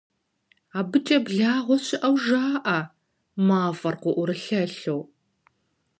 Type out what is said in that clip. АбыкӀэ благъуэ щыӀэу жаӀэ, мафӀэр къыӀурылъэлъу.